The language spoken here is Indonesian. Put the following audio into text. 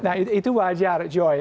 nah itu wajar joy